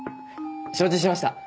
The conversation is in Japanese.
承知しました。